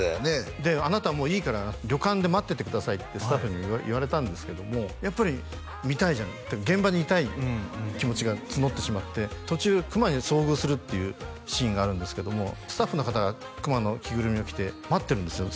「であなたもういいから旅館で待っててください」ってスタッフに言われたんですけどもやっぱり見たい現場にいたい気持ちが募ってしまって途中熊に遭遇するっていうシーンがあるんですけどもスタッフの方が熊の着ぐるみを着て待ってるんですよ